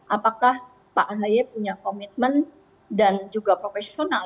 apakah pak ahy punya komitmen dan juga profesional